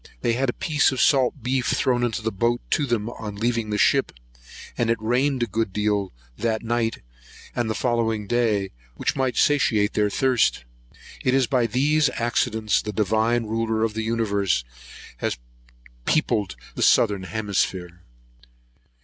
They had a piece of salt beef thrown into the boat to them on leaving the ship; and it rained a good deal that night and the following day, which might satiate their thirst. It is by these accidents the Divine Ruler of the universe has peopled the southern hemisphere.